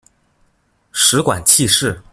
食管憩室。